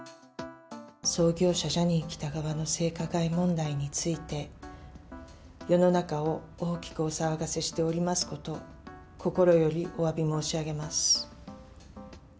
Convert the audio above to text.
創業者、ジャニー喜多川の性加害問題について、世の中を大きくお騒がせしておりますこと、心よりおわび申し上げます。